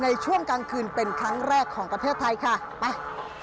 ในช่วงกลางคืนเป็นครั้งแรกของประเทศไทยค่ะไป